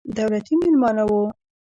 دولتي مېلمانه وو.